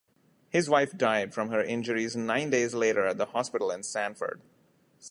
His wife died from her injuries nine days later at the hospital in Sanford.